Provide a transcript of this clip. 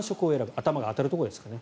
頭が当たるところですね。